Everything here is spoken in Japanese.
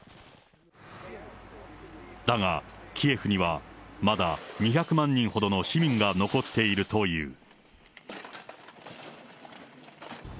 だが、キエフにはまだ２００万人ほどの市民が残っているという。